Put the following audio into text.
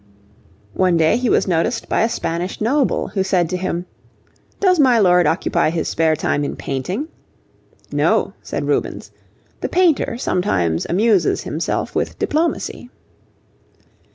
One day he was noticed by a Spanish noble, who said to him, 'Does my Lord occupy his spare time in painting?' 'No,' said Rubens; 'the painter sometimes amuses himself with diplomacy.'